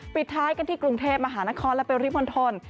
ปิดท้ายกันที่กรุงเทพมหานครและปริมณฑล